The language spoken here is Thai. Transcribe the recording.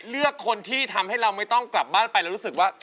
เลือกคนที่ทำให้เราไม่ต้องกลับบ้านไปเรารู้สึกว่า